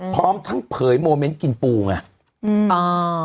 พร้อมทั้งเผยโมเมนต์กินปูไง